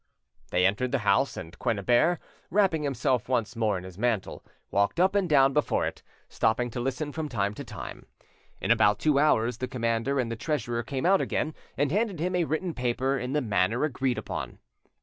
They entered the house, and Quennebert, wrapping himself once more in his mantle, walked up and down before it, stopping to listen from time to time. In about two hours the commander and the treasurer came out again, and handed him a written paper in the manner agreed on.